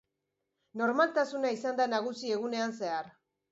Normaltasuna izan da nagusi egunean zehar.